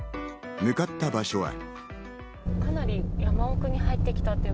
向かった場所は。